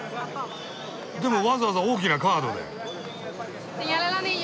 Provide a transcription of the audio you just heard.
でもわざわざ大きなカードで。